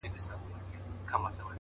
پرمختګ د ثابتو هڅو حاصل دی،